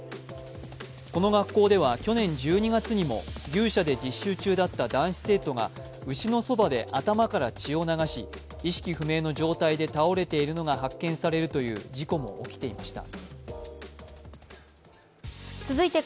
この学校では去年１２月にも牛舎で実習中だった男子生徒が頭から血を流し意識不明の状態で倒れているのが発見されるという事故も起きていました。